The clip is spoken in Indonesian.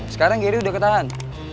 sekarang geri udah ketahan